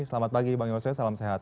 selamat pagi bang yose salam sehat